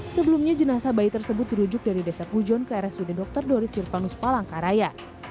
sebelumnya jenazah bayi tersebut dirujuk dari desa pujon ke rsud dr doris sirpanus palangkaraya